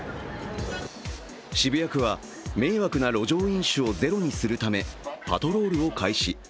渋谷区は、迷惑な路上飲酒をゼロにするためパトロールを開始。